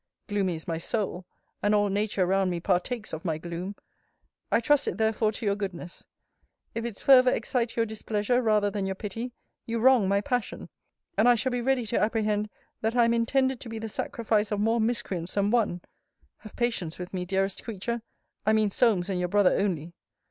(Gloomy is my soul; and all Nature around me partakes of my gloom!) I trust it therefore to your goodness if its fervour excite your displeasure rather than your pity, you wrong my passion; and I shall be ready to apprehend, that I am intended to be the sacrifice of more miscreants than one! [Have patience with me, dearest creature! I mean Solmes and your brother only.